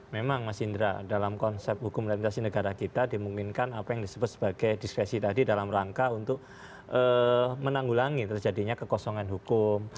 memang mas indra dalam konsep hukum rehabilitasi negara kita dimungkinkan apa yang disebut sebagai diskresi tadi dalam rangka untuk menanggulangi terjadinya kekosongan hukum